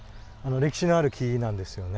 歴史のある木なんですよね。